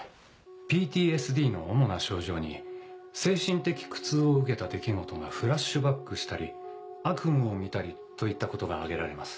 ＰＴＳＤの主な症状に精神的苦痛を受けた出来事がフラッシュバックしたり悪夢を見たりといったことが挙げられます。